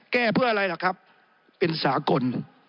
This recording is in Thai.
แก้เพื่ออะไรล่ะครับเป็นสากล